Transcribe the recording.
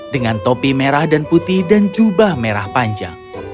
dengan topi merah dan putih dan jubah merah panjang